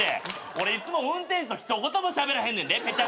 俺いつも運転手と一言もしゃべらへんねんで。